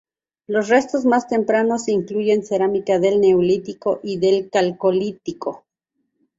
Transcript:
Los restos más tempranos incluyen cerámica del Neolítico y del Calcolítico.